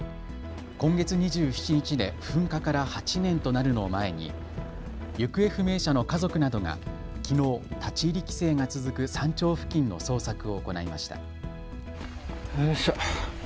今月２７日で噴火から８年となるのを前に行方不明者の家族などがきのう立ち入り規制が続く山頂付近の捜索を行いました。